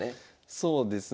そうですね